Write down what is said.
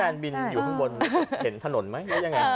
หรือแฟนบินอยู่ข้างบนเห็นถนนไหม